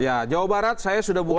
ya jawa barat saya sudah buka